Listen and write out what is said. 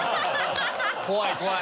怖い怖い！